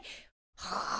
はあ。